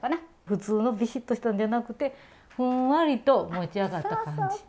普通のビシッとしたんじゃなくてふんわりと持ち上がった感じ？